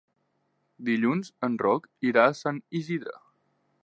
Dilluns en Roc irà a Sant Isidre.